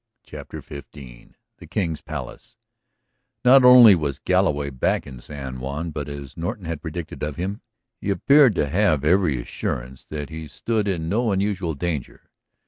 CHAPTER XV THE KING'S PALACE Not only was Galloway back in San Juan but, as Norton had predicted of him, he appeared to have every assurance that he stood in no unusual danger.